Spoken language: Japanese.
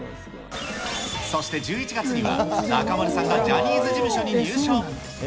そして１１月には、中丸さんがジャニーズ事務所に入所。